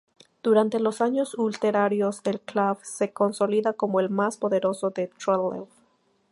Durante los años ulteriores el club se consolida como el más poderoso de Trelew.